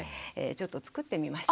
ちょっと作ってみました。